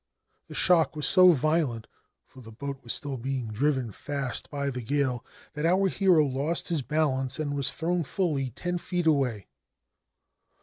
The shock was so violent (for the boat was still being driven fast by the gale) that our hero lost his balance and was thrown fully ten feet away.